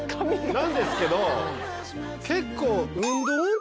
なんですけど結構。